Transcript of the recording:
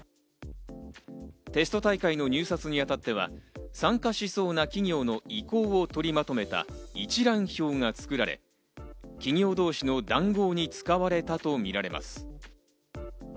テスト大会の入札にあたっては、参加しそうな企業の意向を取りまとめた一覧表が作られ、企業同士の談合に使われたとみられます。